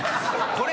これ。